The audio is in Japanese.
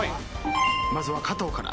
まずは加藤から。